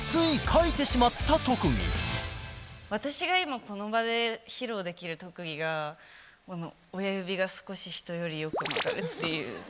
私が今この場で披露できる特技が親指が少し人よりよく曲がるっていう。